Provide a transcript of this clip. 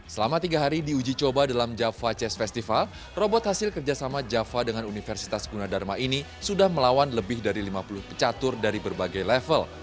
selama tiga hari diuji coba dalam java chest festival robot hasil kerjasama java dengan universitas gunadharma ini sudah melawan lebih dari lima puluh pecatur dari berbagai level